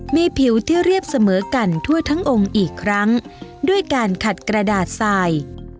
มีผิวที่เรียบเสมอกันทั่วทั้งองค์อีกครั้งด้วยการขัดกระดาษทราย